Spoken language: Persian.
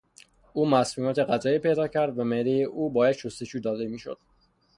او مسمومیت غذایی پیدا کرد و معدهی او باید شستشو داده میشد.